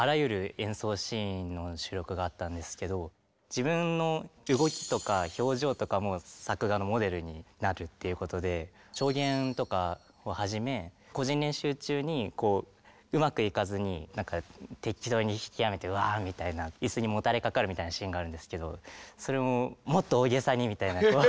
自分の動きとか表情とかも作画のモデルになるっていうことで調弦とかをはじめ個人練習中にうまくいかずに適当に弾きやめて「ワーッ」みたいな椅子にもたれかかるみたいなシーンがあるんですけどそれも「もっと大げさに」みたいなこう。